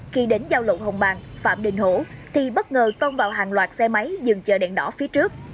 khi đến giao lộn hồng bàng phạm đình hổ thì bất ngờ tông vào hàng loạt xe máy dừng chờ đèn đỏ phía trước